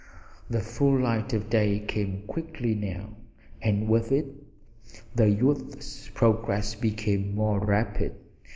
The full light of day came quickly now, and with it the youth's progress became more rapid.